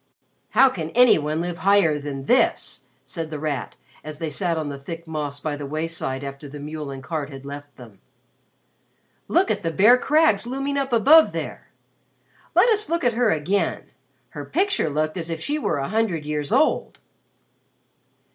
"How can any one live higher than this?" said The Rat as they sat on the thick moss by the wayside after the mule and cart had left them. "Look at the bare crags looming up above there. Let us look at her again. Her picture looked as if she were a hundred years old."